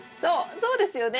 そうですよね。